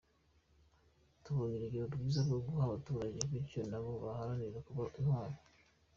Tubonye urugero rwiza rwo guha abaturage bityo na bo baharanire kuba intwari”.